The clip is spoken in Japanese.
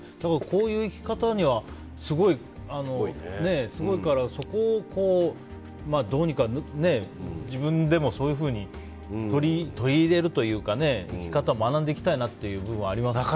こういう生き方はすごいからそこをどうにか自分でもそういうふうに取り入れるというか生き方を学んでいきたいなって部分はありますよね。